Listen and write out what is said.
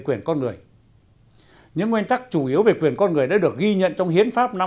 quyền con người những nguyên tắc chủ yếu về quyền con người đã được ghi nhận trong hiến pháp năm hai nghìn một mươi